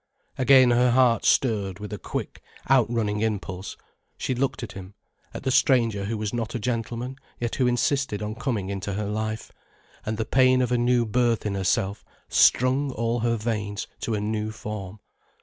Again her heart stirred with a quick, out running impulse, she looked at him, at the stranger who was not a gentleman yet who insisted on coming into her life, and the pain of a new birth in herself strung all her veins to a new form.